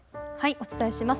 お伝えします。